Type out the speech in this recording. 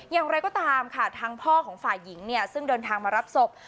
อย่างไรก็ตามค่ะทางพ่อของฝ่ายหญิงเนี่ยซึ่งเดินทางมารับศพ